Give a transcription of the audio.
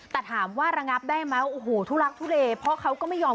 แต่ถามว่าลังงับได้ไหมโอ้โหธุรักษ์ฮุเดพอเขาก็ไม่ยอม